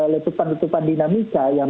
letupan letupan dinamika yang